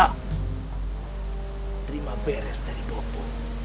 terima beres dari popo